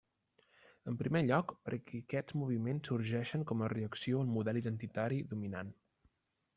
En primer lloc, perquè aquests moviments sorgeixen com a reacció al model identitari dominant.